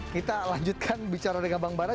kita lanjutkan bicara dengan bang bara